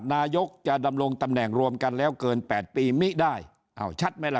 นายกจะดำรงตำแหน่งรวมกันแล้วเกินแปดปีมิได้อ้าวชัดไหมล่ะ